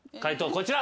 こちら。